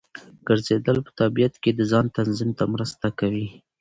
ګرځېدل په طبیعت کې د ځان تنظیم ته مرسته کوي.